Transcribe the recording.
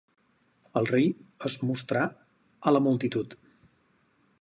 El rei es mostrà a la multitud.